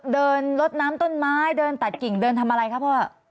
เดินลดน้ำต้นไม้เดินตัดกิ่งเดินทำอะไรครับพ่อ